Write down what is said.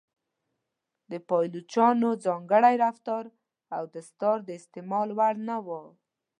د پایلوچانو ځانګړی رفتار او دستار د استعمال وړ نه و.